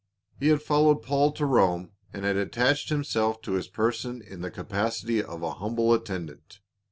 He had followed Paul to Rome and had attached him self to his person in the capacity of a humble attend ant.